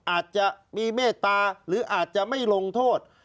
อาจจะมีเมตตาหรืออาจจะไม่ลงโทษ